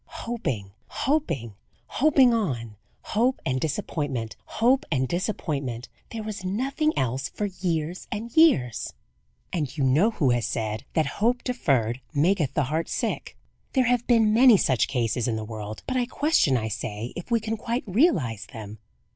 Hoping, hoping, hoping on; hope and disappointment, hope and disappointment there was nothing else for years and years; and you know who has said, that "Hope deferred maketh the heart sick." There have been many such cases in the world, but I question, I say, if we can quite realize them.